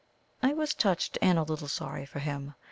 I was touched and a little sorry for him.